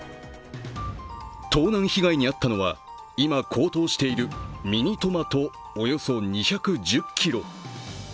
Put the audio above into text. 盗難被害に遭ったのは今、高騰しているミニトマトおよそ２１０ｋｇ。